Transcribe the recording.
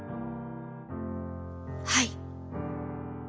「はい」。